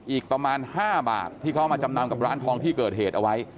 อีกประมาณ๕บาทที่เขาเอามาจำนำกับร้านทองที่เกิดเหตุเอาไว้